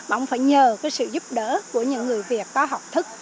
mà ông phải nhờ cái sự giúp đỡ của những người việt có học thức